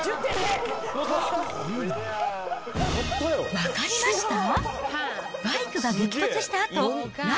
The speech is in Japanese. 分かりました？